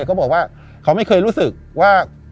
เขาบอกว่าเขาไม่เคยรู้สึกว่า